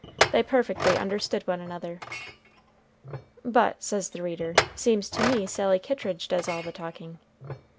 They perfectly understood one another. But, says the reader, seems to me Sally Kittridge does all the talking!